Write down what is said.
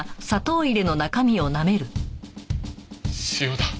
塩だ。